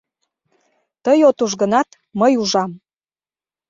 Тый от уж гынат, мый ужам.